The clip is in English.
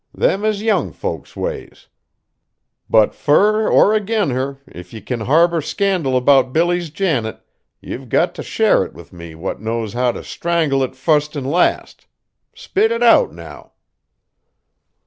Them is young folks' ways. But fur or agin her, if ye can harbor scandal about Billy's Janet, ye've got t' share it with me what knows how t' strangle it fust an' last. Spit it out now!"